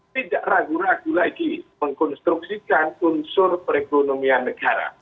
tidak ragu ragu lagi mengkonstruksikan unsur perekonomian negara